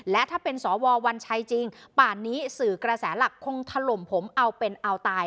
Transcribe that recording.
และถ้าเป็นสววัญชัยจริงป่านนี้สื่อกระแสหลักคงถล่มผมเอาเป็นเอาตาย